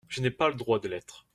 Je n'ai pas le droit de l'être.